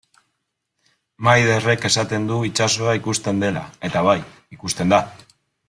Maiderrek esaten du itsasoa ikusten dela, eta bai, ikusten da.